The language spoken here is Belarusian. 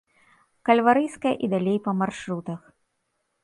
Кальварыйская і далей па маршрутах.